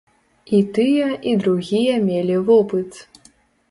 І тыя, і другія мелі вопыт.